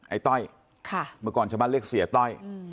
ไอ้ต้อยค่ะเมื่อก่อนชะมัดเรียกเสียต้อยอืม